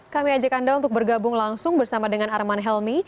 kami ajak anda untuk bergabung langsung bersama dengan arman helmi